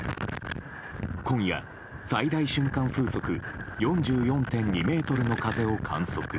今夜、最大瞬間風速４４．２メートルの風を観測。